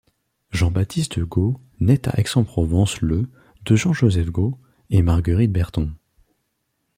Jean-Baptiste Gaut naît à Aix-en-Provence le de Jean-Joseph Gaut et Marguerite Berthon.